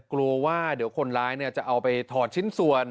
กลัวว่าเดี๋ยวคนร้ายจะเอาไปถอดชิ้นส่วน